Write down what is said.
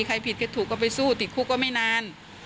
ใครผิดใครถูกก็ไปสู้ติดคุกก็ไม่นาน